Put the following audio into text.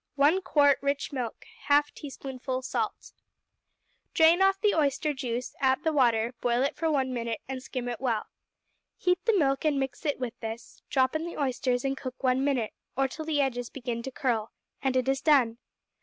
1 quart rich milk. 1/2 teaspoonful salt. Drain off the oyster juice, add the water, boil it for one minute, and skim it well. Heat the milk and mix it with this; drop in the oysters and cook one minute, or till the edges begin to curl, and it is done.